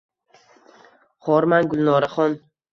— Xormang, Gulnoraxon…